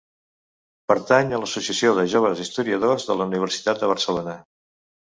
Pertany a l'Associació de Joves Historiadors de la Universitat de Barcelona.